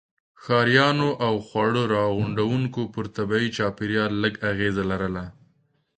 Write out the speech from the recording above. ښکاریانو او خواړه راغونډوونکو پر طبيعي چاپیریال لږ اغېزه لرله.